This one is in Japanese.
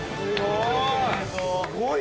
「すごい！」